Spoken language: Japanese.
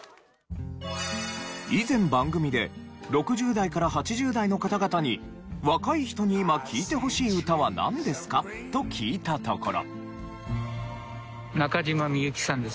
以前番組で６０代から８０代の方々に「若い人に今聴いてほしい歌はなんですか？」と聞いたところ。